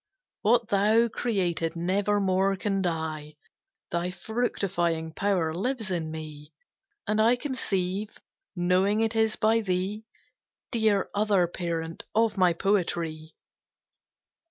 What thou created never more can die, Thy fructifying power lives in me And I conceive, knowing it is by thee, Dear other parent of my poetry!